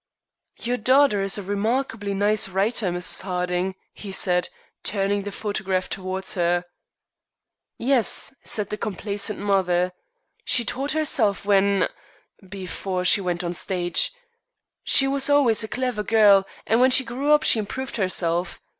"Your daughter is a remarkably nice writer, Mrs. Harding," he said, turning the photograph towards her. "Yes," said the complacent mother, "she taught herself when before she went on the stage. She was always a clever girl, and when she grew up she improved herself.